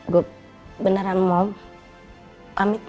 gue beneran mau pamitin